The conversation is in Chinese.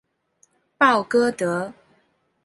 鲍戈德。